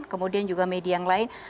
kemudian juga media yang lain